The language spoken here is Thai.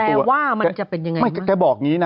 แปลว่ามันจะเป็นยังไง